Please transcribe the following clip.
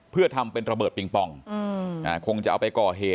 เพื่อทำเป็นระเบิดปิงปองคงจะเอาไปก่อเหตุ